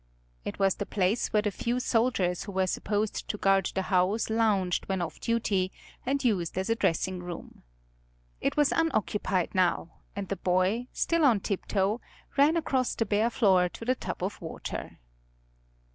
It was the place where the few soldiers who were supposed to guard the house lounged when off duty, and used as a dressing room. It was unoccupied now, and the boy, still on tiptoe, ran across the bare floor to the tub of water.